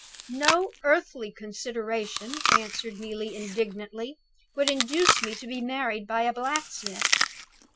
"No earthly consideration," answered Neelie, indignantly, "would induce me to be married by a blacksmith!"